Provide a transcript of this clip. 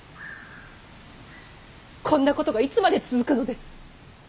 こんなことがいつまで続くのです。